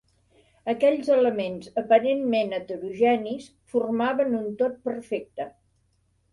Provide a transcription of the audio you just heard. Aquells elements aparentment heterogenis formaven un tot perfecte.